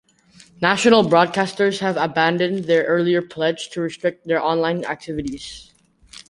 National broadcasters have abandoned an earlier pledge to restrict their online activities.